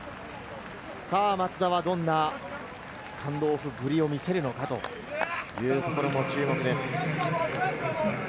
松田はどんなスタンドオフぶりを見せるのかというところも注目です。